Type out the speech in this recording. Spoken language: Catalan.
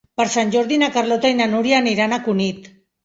Per Sant Jordi na Carlota i na Núria aniran a Cunit.